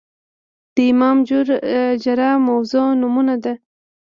د امام جائر موضوع نمونه ده